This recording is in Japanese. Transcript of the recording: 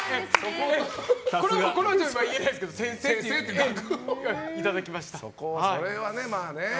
この場じゃ言えないですけど先生っていう額をいただきました。